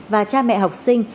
và cha mẹ học sinh